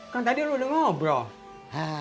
kan tadi lo udah ngobrol